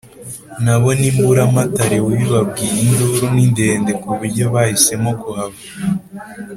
Nabo ni Mburamatare wabibabwiyeInduru ni ndende kuburyo bahisemo kuhava